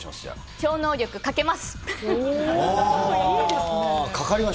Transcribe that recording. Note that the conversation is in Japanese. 超能力、かけます。